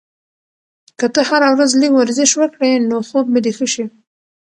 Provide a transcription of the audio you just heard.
که ته هره ورځ لږ ورزش وکړې، نو خوب به دې ښه شي.